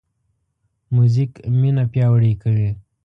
موزیک مینه پیاوړې کوي.